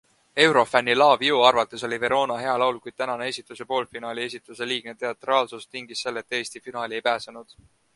Eurofänni LoveU arvates oli Verona hea laul, kuid tänane esitus ja poolfinaali esituse liigne teatraalsus tingis selle, et Eesti finaali ei pääsenud.